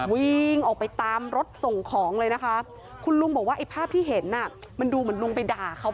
วิ่งออกไปตามรถส่งของเลยนะคะคุณลุงบอกว่าไอ้ภาพที่เห็นอ่ะมันดูเหมือนลุงไปด่าเขา